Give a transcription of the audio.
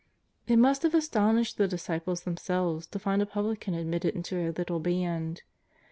It must have astonished the disciples them selves to find a publican admitted into their little band.